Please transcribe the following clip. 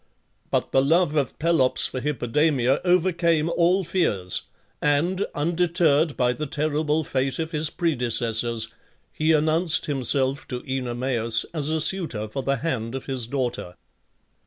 But the love of Pelops for Hippodamia overcame all fears, and, undeterred by the terrible fate of his predecessors, he announced himself to Oenomaus as a suitor for the hand of his daughter.